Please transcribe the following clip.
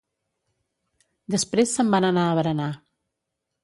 Després se'n van anar a berenar.